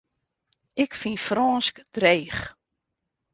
Ik fyn Frânsk dreech.